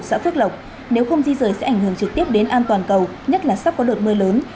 xã phước lộc nếu không di rời sẽ ảnh hưởng trực tiếp đến an toàn cầu nhất là sắp có đợt mưa lớn